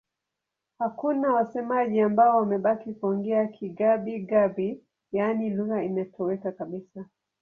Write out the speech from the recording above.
Hakuna wasemaji ambao wamebaki kuongea Kigabi-Gabi, yaani lugha imetoweka kabisa.